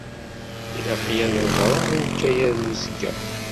Ilaq-iyi ad ɣreɣ i ukayad uzekka.